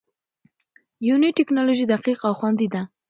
یوني ټېکنالوژي دقیق او خوندي ده.